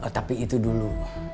tapi itu dulu